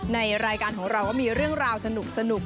ในรายการของเราก็มีเรื่องราวสนุก